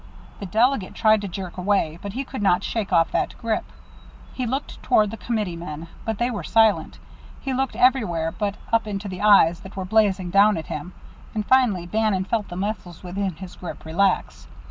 The delegate tried to jerk away, but he could not shake off that grip. He looked toward the committeemen, but they were silent. He looked everywhere but up into the eyes that were blazing down at him. And finally Bannon felt the muscles within his grip relax.